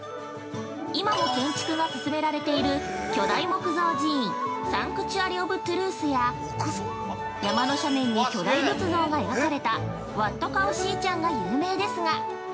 今も建築が進められている巨大木造寺院、サンクチュアリ・オブ・トゥルースや、山の斜面に巨大仏像が描かれたワット・カオシーチャンが有名ですが。